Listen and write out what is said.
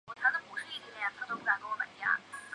后来他毕业于东京高等工业学校化学科。